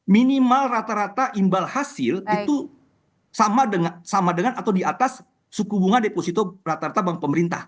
minimal rata rata imbal hasil itu sama dengan atau di atas suku bunga deposito rata rata bank pemerintah